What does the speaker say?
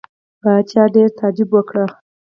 پاچا ډېر تعجب وکړ.